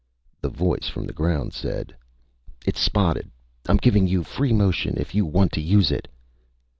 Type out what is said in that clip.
The voice from the ground said: "_It's spotted. I'm giving you free motion if you want to use it.